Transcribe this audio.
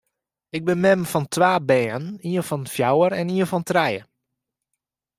Ik bin mem fan twa bern, ien fan fjouwer en ien fan trije.